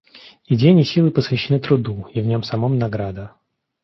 И день и силы посвящены труду, и в нем самом награда.